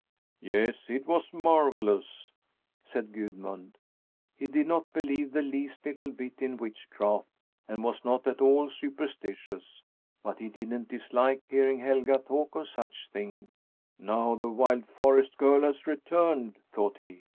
"Yes, it was marvellous," said Gudmund. He did not believe the least little bit in witchcraft and was not at all superstitious; but he didn't dislike hearing Helga talk of such things. "Now the wild forest girl has returned," thought he.